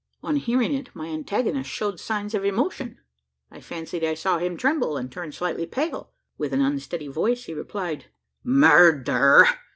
On hearing it my antagonist showed signs of emotion. I fancied I saw him tremble, and turn slightly pale! With an unsteady voice he replied: "Murder?